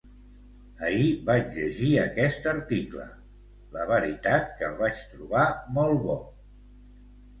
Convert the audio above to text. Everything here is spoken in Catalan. Ahir vaig llegir aquest article, la veritat que el vaig trobar molt bo.